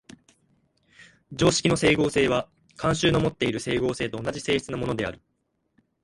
常識の斉合性は慣習のもっている斉合性と同じ性質のものである。